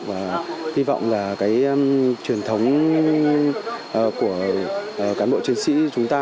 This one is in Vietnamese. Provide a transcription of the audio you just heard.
và hy vọng là cái truyền thống của cán bộ chiến sĩ chúng ta